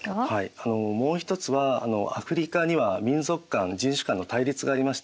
あのもう一つはアフリカには民族間・人種間の対立がありました。